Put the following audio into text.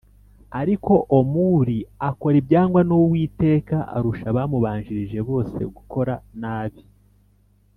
Ariko Omuri akora ibyangwa n’Uwiteka arusha abamubanjirije bose gukora nabi,